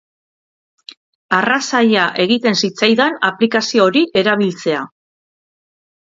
Arras zaila egiten zitzaidan aplikazio hori erabiltzea.